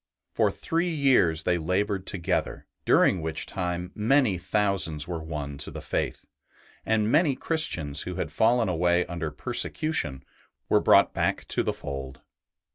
For three years they laboured together, during which time many thousands were won to the Faith, and many Christians who had fallen away under persecution were brought back to the fold.